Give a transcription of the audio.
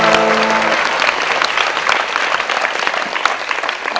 มือมือมือรู้เลยมือ